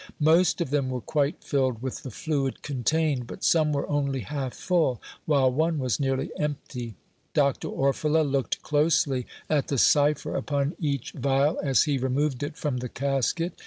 Most of them were quite filled with the fluid contained, but some were only half full, while one was nearly empty. Dr. Orfila looked closely at the cipher upon each vial as he removed it from the casket.